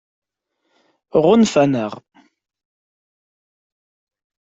Ɣunfan-aɣ?